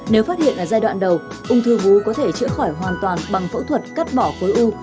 nếu phát hiện ở giai đoạn đầu ung thư vú có thể chữa khỏi hoàn toàn bằng phẫu thuật cắt bỏ khối u